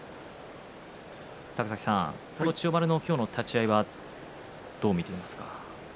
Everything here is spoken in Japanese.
高崎さん、千代丸の今日の立ち合いはどう見ていますか？